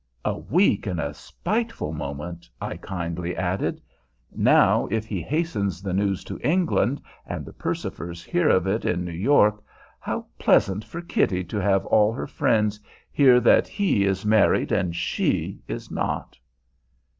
"A weak and a spiteful moment," I kindly added. "Now if he hastens the news to England, and the Percifers hear of it in New York, how pleasant for Kitty to have all her friends hear that he is married and she is not!"